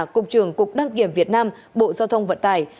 cục trưởng cục đăng kiểm việt nam bộ giao thông vận tải